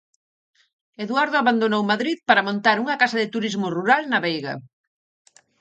Eduardo abandonou Madrid para montar unha casa de turismo rural na Veiga.